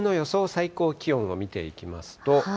最高気温を見ていきますと。